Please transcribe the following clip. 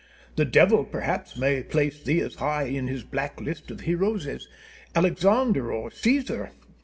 The devil perhaps may place thee as high in his black list of heroes as Alexander or Caesar.